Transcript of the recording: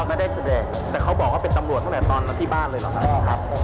พวกท่านแต่เขาไม่ได้บอกแต่เขาบอกว่าเป็นตำรวจขึ้นตอนพี่บ้านเลยมั้ยครับ